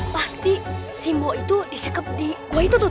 pasti simpo itu disikep di gua itu tuh